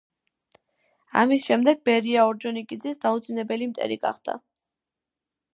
ამის შემდეგ ბერია ორჯონიკიძის დაუძინებელი მტერი გახდა.